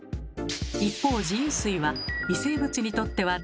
一方自由水は微生物にとっては大好物。